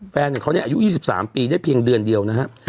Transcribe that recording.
แฟนเขานี่อายุ๒๓ปีได้เพียงเดือนเดียวนะฮะ